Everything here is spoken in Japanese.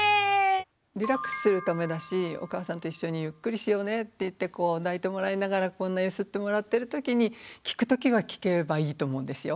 リラックスするためだしお母さんと一緒にゆっくりしようねっていって抱いてもらいながらこんな揺すってもらってるときに聞くときは聞ければいいと思うんですよ。